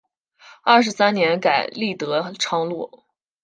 二十三年改隶德昌路。